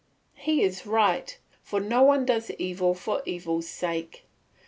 He is right, for no one does evil for evil's sake.